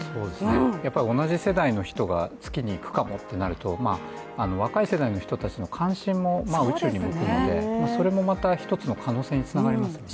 やっぱり同じ世代の人が月に行くかもってなると若い世代の人たちの関心も宇宙に向くのでそれもまた一つの可能性につながりますよね。